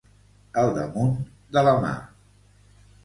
El damunt de la mà.